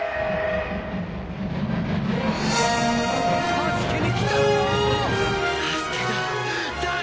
助けに来たどー！